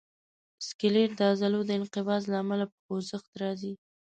سکلیټ د عضلو د انقباض له امله په خوځښت راځي.